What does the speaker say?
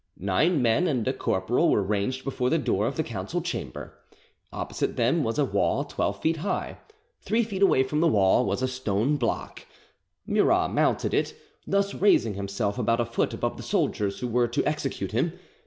Nine men and a corporal were ranged before the door of the council chamber. Opposite them was a wall twelve feet high. Three feet away from the wall was a stone block: Murat mounted it, thus raising himself about a foot above the soldiers who were to execute him.